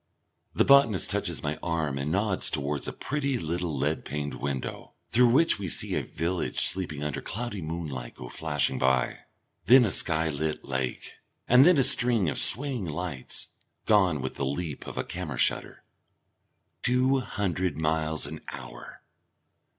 The botanist touches my arm and nods towards a pretty little lead paned window, through which we see a village sleeping under cloudy moonlight go flashing by. Then a skylit lake, and then a string of swaying lights, gone with the leap of a camera shutter. Two hundred miles an hour!